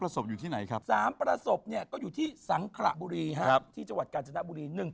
สามประสบอยู่ที่ไหนครับ